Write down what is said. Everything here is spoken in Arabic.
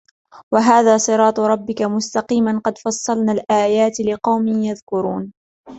وهذا صراط ربك مستقيما قد فصلنا الآيات لقوم يذكرون